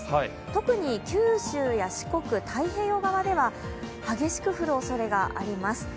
特に九州や四国、太平洋側では激しく降るおそれがあります。